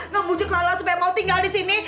ngebujuk lala supaya mau tinggal di sini